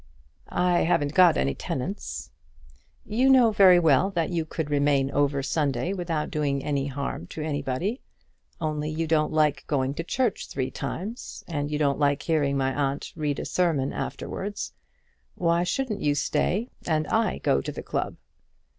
"I haven't got any tenants." "You know very well that you could remain over Sunday without doing any harm to anybody; only you don't like going to church three times, and you don't like hearing my aunt read a sermon afterwards. Why shouldn't you stay, and I go to the club?"